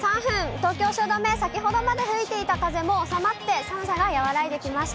東京・汐留、先ほどまで吹いていた風も収まって、寒さが和らいできました。